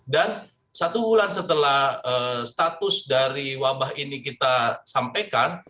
dan satu bulan setelah status dari wabah ini kita sampaikan